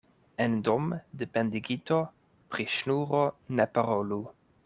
En dom' de pendigito pri ŝnuro ne parolu.